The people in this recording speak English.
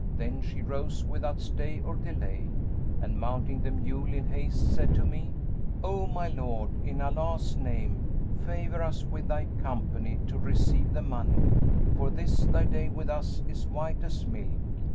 Then she rose without stay or delay; and, mounting the mule in haste, said to me, 'O my lord, in Allah's name, favour us with thy company to receive the money; for this thy day with us is white as milk.'